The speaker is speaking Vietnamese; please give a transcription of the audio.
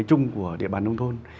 trung của địa bàn nông thôn